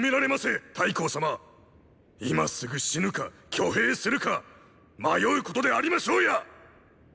今すぐ死ぬか挙兵するか迷うことでありましょうや！